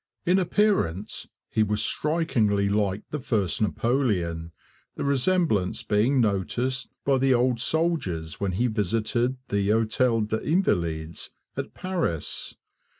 In appearance he was strikingly like the first Napoleon, the resemblance being noticed by the old soldiers when he visited the Hôtel des Invalides at Paris.